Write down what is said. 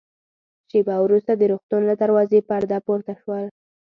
شېبه وروسته د روغتون له دروازې پرده پورته شول.